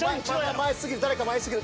前すぎる誰か前すぎる。